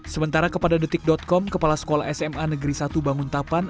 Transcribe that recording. sementara kepada detik com kepala sekolah sma negeri satu banguntapan